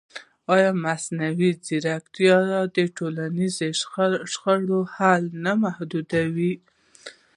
ایا مصنوعي ځیرکتیا د ټولنیزو شخړو حل نه محدودوي؟